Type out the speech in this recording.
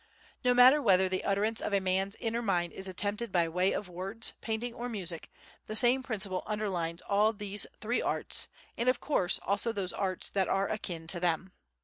No matter whether the utterance of a man's inner mind is attempted by way of words, painting, or music, the same principle underlies all these three arts and, of course, also those arts that are akin to them.